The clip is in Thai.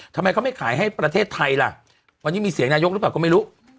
ทำไมเขาไม่ขายให้ประเทศไทยล่ะวันนี้มีเสียงนายกหรือเปล่าก็ไม่รู้